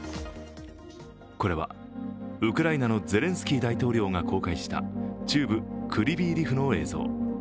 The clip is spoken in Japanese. これはウクライナのゼレンスキー大統領が公開した中部クリヴィー・リフの映像。